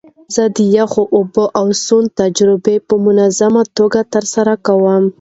زه د یخو اوبو او سونا تجربه په منظمه توګه ترسره کوم.